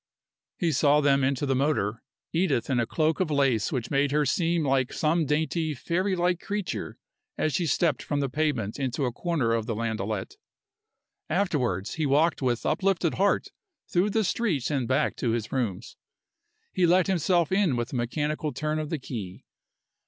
He saw them into the motor, Edith in a cloak of lace which made her seem like some dainty, fairylike creature as she stepped from the pavement into a corner of the landaulette. Afterwards, he walked with uplifted heart through the streets and back to his rooms. He let himself in with a mechanical turn of the key.